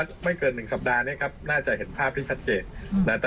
แยกจับมือแตกกันเป็นไปได้ครับ